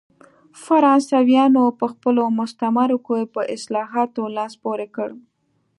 فرانسویانو په خپلو مستعمرو کې په اصلاحاتو لاس پورې کړ.